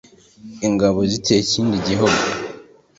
ingabo ziteye ikindi gihugu.